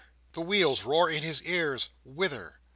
The wheels roar in his ears "whither?"